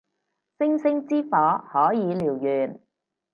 星星之火可以燎原